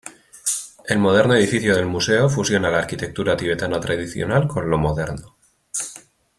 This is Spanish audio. El moderno edificio del museo fusiona la arquitectura tibetana tradicional con lo moderno.